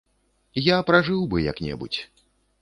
Я пражыў бы як-небудзь.